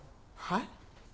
はい？